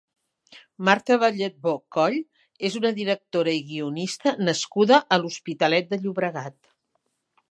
Marta Balletbò-Coll és una directora i guionista nascuda a l'Hospitalet de Llobregat.